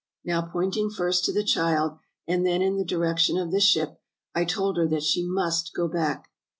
Now pointing first to the child, and then in the direction of the ship, I told her that she must go back.